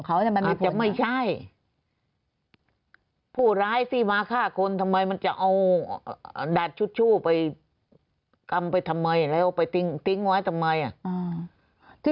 อาจจะไม่ใช่ผู้ร้ายซีมาฆ่าคนทำไมมันจะเอาดาดชุดชู้ไปกำไปทำไมแล้วไปติ๊งไว้ทำไมอ่ะ